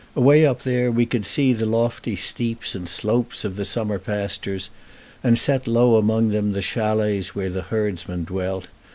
Away up there we could see the lofty steeps and slopes of the summer pastures, and set low among them the chalets where the herdsmen dwelt.